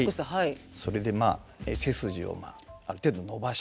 それで背筋をある程度伸ばして。